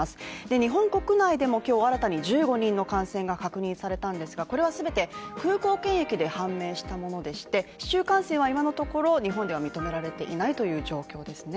日本国内でも今日新たに１５人の感染が確認されたんですがこれは全て空港検疫で判明したものでして、市中感染は今のところ日本では認められていないという状況ですね